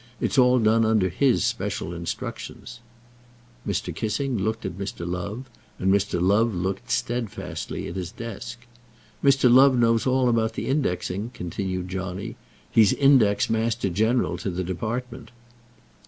"It's all done under his special instructions." Mr. Kissing looked at Mr. Love, and Mr. Love looked steadfastly at his desk. "Mr. Love knows all about the indexing," continued Johnny. "He's index master general to the department."